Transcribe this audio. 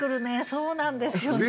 そうなんですよね。